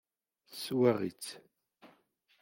Teswaɣ-itt.